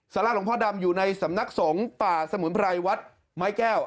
สาราหลวงพ่อดำอยู่ในสำนักสงฆ์ป่าสมุนไพรวัดไม้แก้ว